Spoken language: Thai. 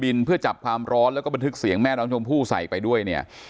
เพื่อจับความร้อนแล้วก็บันทึกเสียงแม่น้องชมพู่ใส่ไปด้วยเนี่ย